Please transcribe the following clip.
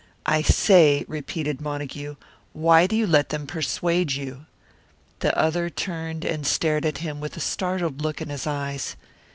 "I say," repeated Montague, "why do you let them persuade you?" The other turned and stared at him, with a startled look in his eyes.